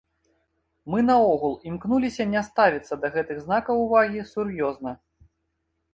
Мы наогул імкнуліся не ставіцца да гэтых знакаў увагі сур'ёзна.